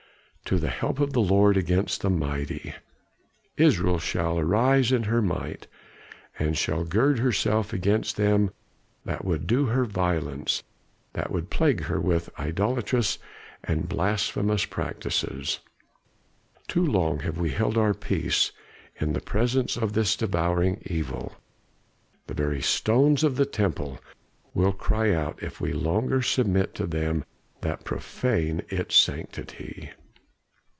to the help of the Lord against the mighty?' Israel shall arise in her might, and shall gird herself against them that would do her violence, that would plague her with idolatrous and blasphemous practices. Too long have we held our peace in the presence of this devouring evil; the very stones of the Temple will cry out if we longer submit to them that profane its sanctity."